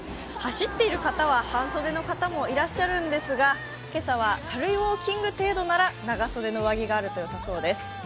走っている方は半袖の方もいらっしゃるんですが今朝は軽いウオーキング程度なら長袖の上着があるとよさそうです。